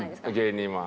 芸人は？